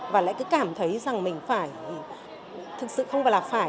và lại cứ cảm thấy rằng mình phải thực sự không phải là phải